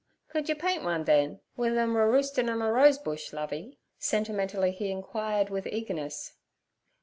'Could you paint one, then, wi' them a roost in' on a rose bush, Lovey?' sentimentally he inquired with eagerness.